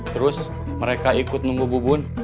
terus mereka ikut nunggu bubun